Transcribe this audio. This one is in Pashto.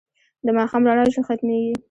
د ماښام رڼا ژر ختمېږي